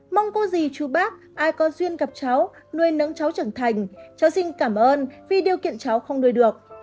mong cô gì chú bác ai có duyên gặp cháu nuôi nấng cháu trưởng thành cháu sinh cảm ơn vì điều kiện cháu không nuôi được